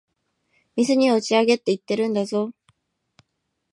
店には打ち上げって言ってるんだぞ。